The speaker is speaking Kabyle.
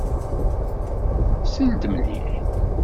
Sel-d mliḥ.